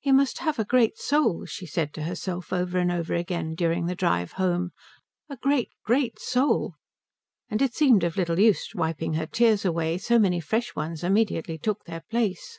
"He must have a great soul," she said to herself over and over again during the drive home, "a great, great soul." And it seemed of little use wiping her tears away, so many fresh ones immediately took their place.